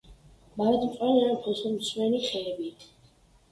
მარადმწვანე ან ფოთოლმცვენი ხეებია.